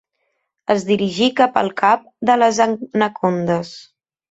Es dirigí cap al cap de les anacondes.